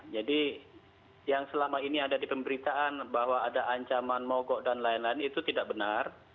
jadi yang selama ini ada di pemberitaan bahwa ada ancaman mogok dan lain lain itu tidak benar